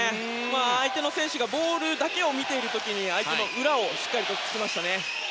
相手の選手がボールだけを見ている時に相手の裏をしっかりと突きましたね。